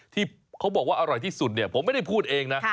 ที่เขาบอกว่าอร่อยที่สุดเนี่ยผมไม่ได้พูดเองนะ